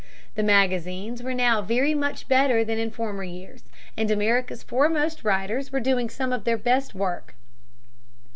The magazines were now very much better than in former years, and America's foremost writers were doing some of their best work.